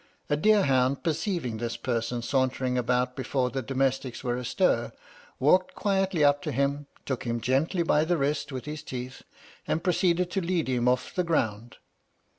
A deer hound perceiving this person sauntering about before the domestics were astir, walked quietly up to him, took him gently by the wrist with his teeth, and proceeded to lead him off the ground.